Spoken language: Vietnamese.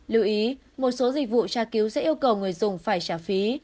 lưu ý một số dịch vụ tra cứu sẽ yêu cầu người dùng phải trả phí